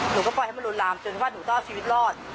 หนูก็ปล่อยให้มันลวนลามจนว่าหนูต้องเอาชีวิตรอด